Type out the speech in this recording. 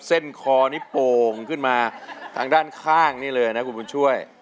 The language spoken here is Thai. เส้นคอนี่โป่งขึ้นมาทางด้านข้างนี่เลยนะคุณบุญช่วย